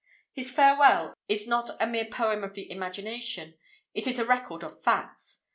His "Farewell" is not a mere poem of the imagination. It is a record of facts.